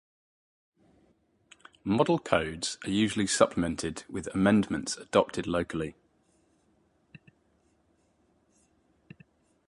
Model codes are usually supplemented with amendments adopted locally.